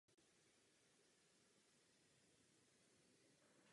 Herectví a tanec studoval a na soukromé akademii De Trap v Amsterdamu.